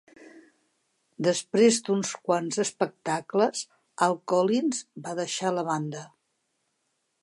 Després d'uns quants espectacles, Al Collins va deixar la banda.